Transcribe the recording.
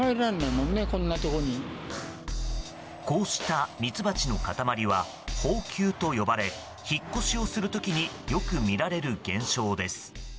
こうしたミツバチの塊は蜂球と呼ばれ引っ越しをする時によく見られる現象です。